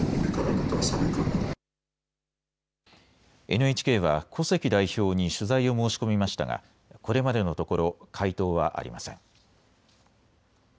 ＮＨＫは古関代表に取材を申し込みましたが、これまでのところ回答はありません。